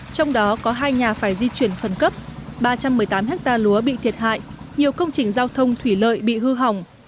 trong đó có hai nhà phải di chuyển phần cấp ba trăm một mươi tám ha lúa bị thiệt hại nhiều công trình giao thông thủy lợi bị hư hỏng